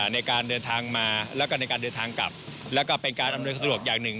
ในการเดินทางมาแล้วก็ในการเดินทางกลับแล้วก็เป็นการอำนวยสะดวกอย่างหนึ่ง